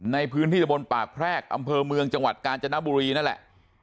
ในพื้นที่ตะบนปากแพรกอำเภอเมืองจังหวัดกาญจนบุรีนั่นแหละ